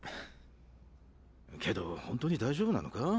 けど本当に大丈夫なのか？